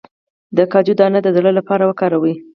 د کاجو دانه د زړه لپاره وکاروئ